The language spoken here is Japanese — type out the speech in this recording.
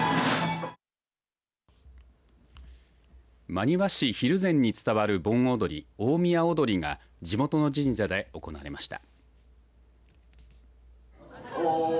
真庭市蒜山に伝わる盆踊り、大宮踊が地元の神社で行われました。